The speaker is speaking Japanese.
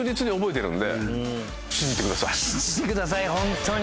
信じてくださいほんとに。